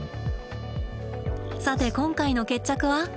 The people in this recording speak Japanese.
さて今回の決着は？